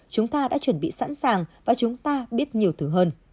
chúng ta đã chuẩn bị sẵn sàng và chúng ta biết nhiều thứ hơn